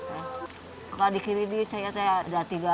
kalau dikiridit saya ada tiga ada lima